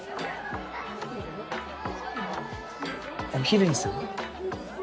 お昼にする？